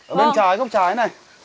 ở bên trái góc trái này